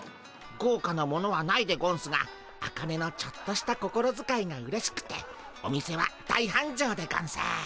ごうかなものはないでゴンスがアカネのちょっとした心づかいがうれしくてお店は大はんじょうでゴンス。